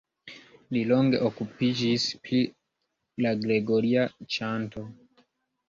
Li longe okupiĝis pri la gregoria ĉanto.